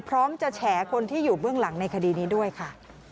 พร้อมจะแฉคนที่อยู่เบื้องหลังในคดีนี้ด้วยค่ะ